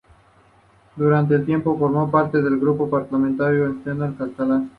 Durante un tiempo, formó parte del grupo parlamentario Entesa dels Catalans.